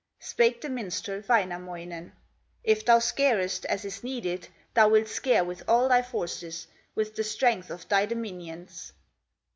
Spake the minstrel, Wainamoinen: "If thou scarest as is needed, Thou wilt scare with all thy forces, With the strength of thy dominions."